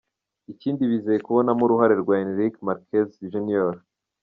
Ikindi bizeye kubonamo uruhare rwa Enrique Marquez Jr.